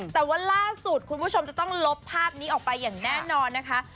แต่ว่าล่าสุดคุณผู้ชมจะต้องลบภาพนี้ออกไปอย่างแน่นอนนะคะ